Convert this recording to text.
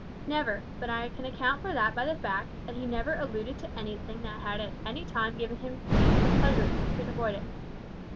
"Never; but I can account for that by the fact, that he never alluded to anything that had at any time given him pain or displeasure, if he could avoid it."